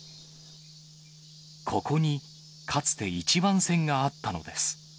ここに、かつて１番線があったのです。